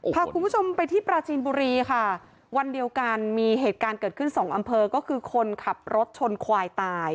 พาคุณผู้ชมไปที่ปราจีนบุรีค่ะวันเดียวกันมีเหตุการณ์เกิดขึ้นสองอำเภอก็คือคนขับรถชนควายตาย